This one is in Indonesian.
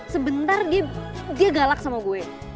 sebentar dia galak sama gue